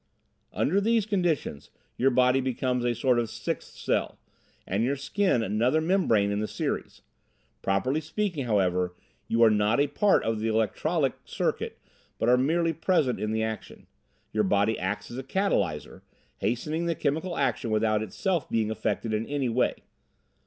"Under these conditions your body becomes a sort of sixth cell, and your skin another membrane in the series. Properly speaking, however, you are not a part of the electrolytic circuit but are merely present in the action. Your body acts as a catalyser, hastening the chemical action without itself being affected in any way.